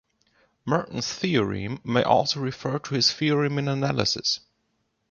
"Mertens' theorem" may also refer to his theorem in analysis.